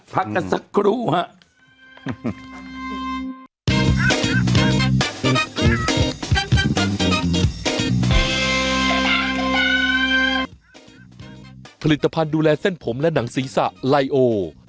ปริตภัณฑ์ดูแลเส้นผมและหนังศีรษะไลโอ